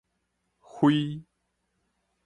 輝